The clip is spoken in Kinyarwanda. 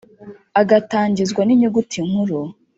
agatangizwa ni nyuguti nkuru